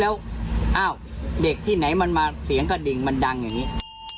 แล้วอ้าวเด็กที่ไหนมันมาเสียงกระดิ่งมันดังอย่างนี้